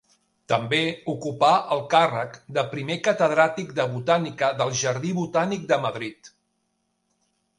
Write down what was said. També ocupà el càrrec de primer catedràtic de Botànica del Jardí Botànic de Madrid.